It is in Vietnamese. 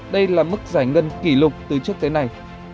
đây là mức giải ngân kỷ lục từ trước tới nay